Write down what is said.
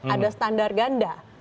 ada standar ganda